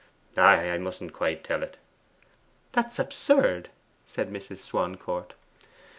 'I mustn't quite tell it.' 'That's absurd,' said Mrs. Swancourt.